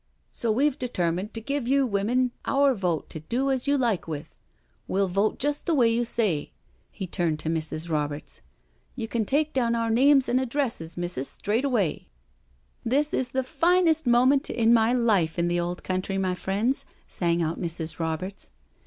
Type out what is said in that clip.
" So we've determined to give you women our vote to do as you like with. We'll vote just the way you say." He turned to Mrs. Roberts. " You can take down our •names and addresses, missus, straight away." "This is the finest moment in my life in the old country, my friends," sang out Mrs. Roberts.